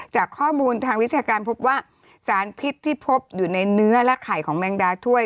จากข้อมูลทางวิชาการพบว่าสารพิษที่พบอยู่ในเนื้อและไข่ของแมงดาถ้วย